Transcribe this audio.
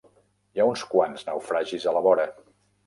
Hi ha uns quants naufragis a la vora.